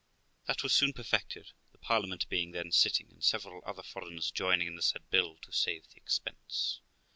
That was soon perfected, the Parliament being then sitting, and several other foreigners joining in the said bill to save the expense.